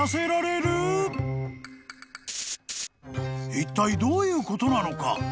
［いったいどういうことなのか？］